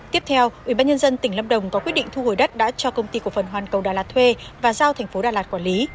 tiếp theo ubnd tỉnh lâm đồng có quyết định thu hồi đất đã cho công ty cổ phần hoàn cầu đà lạt thuê và giao thành phố đà lạt quản lý